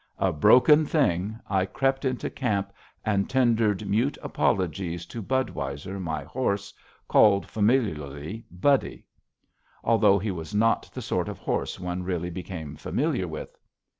A broken thing, I crept into camp and tendered mute apologies to Budweiser, my horse, called familiarly "Buddy." (Although he was not the sort of horse one really became familiar with.)